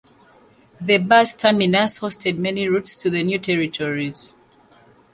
The bus terminus hosted many routes to the New Territories.